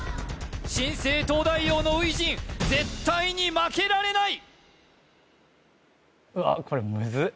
新生東大王の初陣絶対に負けられない！